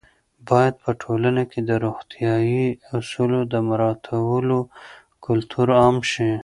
باید په ټولنه کې د روغتیايي اصولو د مراعاتولو کلتور عام شي.